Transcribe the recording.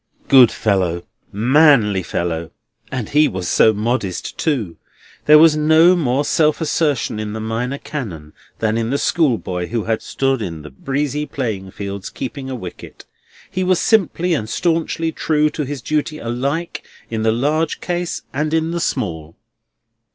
Good fellow! manly fellow! And he was so modest, too. There was no more self assertion in the Minor Canon than in the schoolboy who had stood in the breezy playing fields keeping a wicket. He was simply and staunchly true to his duty alike in the large case and in the small.